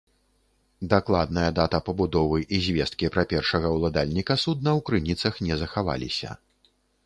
Дакладная дата пабудовы і звесткі пра першага ўладальніка судна ў крыніцах не захаваліся.